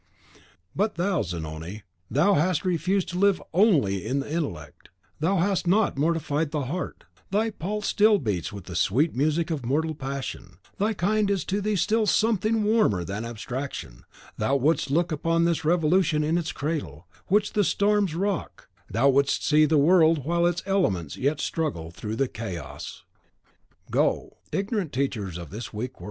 But thou, Zanoni, thou hast refused to live ONLY in the intellect; thou hast not mortified the heart; thy pulse still beats with the sweet music of mortal passion; thy kind is to thee still something warmer than an abstraction, thou wouldst look upon this Revolution in its cradle, which the storms rock; thou wouldst see the world while its elements yet struggle through the chaos! Go! CHAPTER 1.VI. Precepteurs ignorans de ce faible univers. Voltaire. (Ignorant teachers of this weak world.)